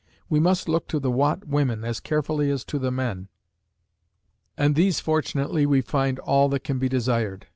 We must look to the Watt women as carefully as to the men; and these fortunately we find all that can be desired.